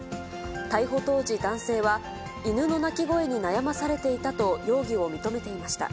逮捕当時、男性は、犬の鳴き声に悩まされていたと、容疑を認めていました。